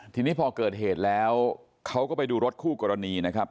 ทีนี้พอเกิดเหตุแล้วเขาก็ไปดูรถคู่กรณีนะครับ